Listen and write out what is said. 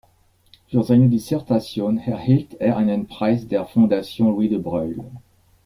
Für seine Dissertation erhielt er einen Preis der Fondation Louis de Broglie.